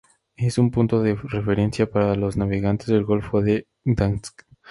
Es un punto de referencia para los navegantes del Golfo de Gdansk.